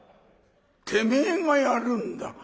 てめえがやるんだ」。